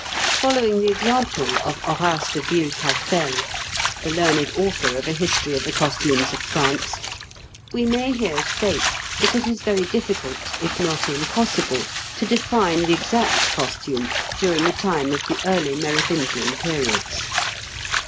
Following the example of Horace de Vielcastel, the learned author of a history of the costumes of France, we may here state that it is very difficult, if not impossible, to define the exact costume during the time of the early Merovingian periods.